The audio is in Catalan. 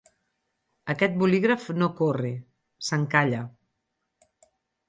Aquest bolígraf no corre, s'encalla.